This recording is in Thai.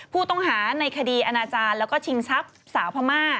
ผู้ต้องหาในคดีอาณาจารย์แล้วก็ชิงทรัพย์สาวพม่า